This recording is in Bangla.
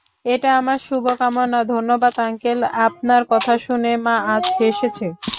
এটা আমার শুভ কামনা - ধন্যবাদ আঙ্কেল, আপনার কথা শুনে মা আজ হেসেছে।